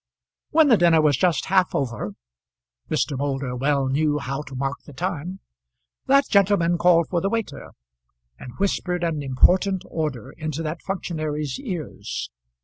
When the dinner was just half over, Mr. Moulder well knew how to mark the time, that gentleman called for the waiter, and whispered an important order into that functionary's ears.